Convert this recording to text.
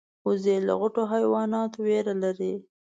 وزې له غټو حیواناتو ویره لري